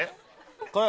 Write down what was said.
これ。